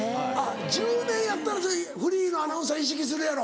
１０年やったらフリーのアナウンサー意識するやろ。